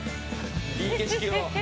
いい景色を。